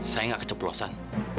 saya gak keceplosan